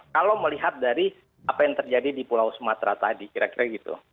kalau melihat dari apa yang terjadi di pulau sumatera tadi kira kira gitu